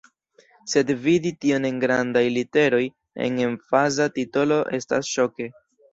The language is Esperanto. Sed vidi tion en grandaj literoj, en emfaza titolo estas ŝoke.